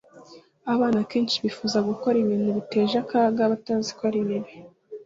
abana akenshi bifuza gukora ibintu biteje akaga batazi ko ari bibi